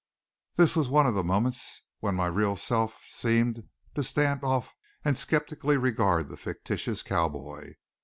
This was one of the moments when my real self seemed to stand off and skeptically regard the fictitious cowboy.